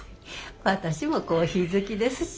私もコーヒー好きですし。